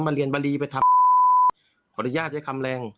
เรียนบารีไปทำขออนุญาตใช้คำแรง